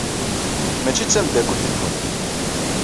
Nekk maci d tameddakelt-nwent.